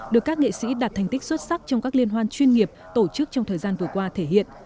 được các nghệ sĩ đạt thành tích xuất sắc trong các liên hoan chuyên nghiệp tổ chức trong thời gian vừa qua thể hiện